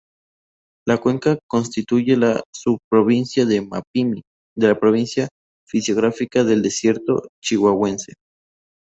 La cuenca constituye la Subprovincia de Mapimí de la Provincia Fisiográfica del Desierto Chihuahuense.